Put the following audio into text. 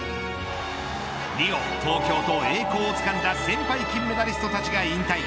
リオ、東京と栄光をつかんだ先輩金メダリストたちが引退。